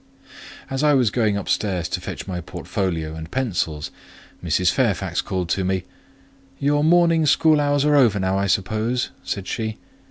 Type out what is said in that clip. As I was going upstairs to fetch my portfolio and pencils, Mrs. Fairfax called to me: "Your morning school hours are over now, I suppose," said she.